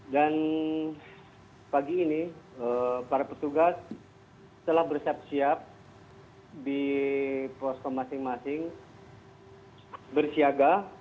dan pagi ini para petugas telah bersiap siap di poskom masing masing bersiaga